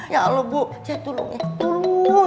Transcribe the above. ya allah bu saya tolong ya tolong